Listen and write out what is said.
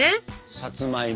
さつまいも。